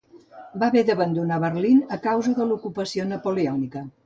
Va haver d'abandonar Berlín a causa de l'ocupació napoleònica.